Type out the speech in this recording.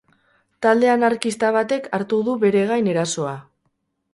Talde anarkista batek hartu du bere gain erasoa.